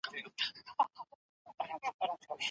بې وزله خلګ تل تر فشار لاندې وي.